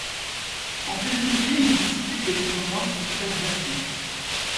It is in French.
En février, il dispute des tournois sur terre battue.